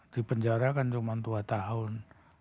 di penjara kan cuma dua tahun